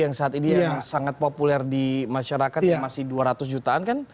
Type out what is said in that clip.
yang saat ini yang sangat populer di masyarakat yang masih dua ratus jutaan kan